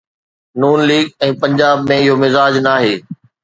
ن ليگ ۽ پنجاب ۾ اهو مزاج ناهي.